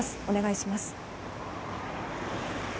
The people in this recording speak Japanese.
お願いします。